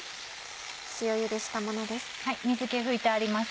塩茹でしたものです。